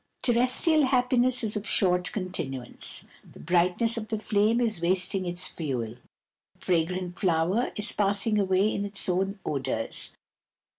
Terrestrial happiness is of short continuance. The ^^ghtness of the flame is wasting its fuel; the fragrant Q^er is passing away in its own odours.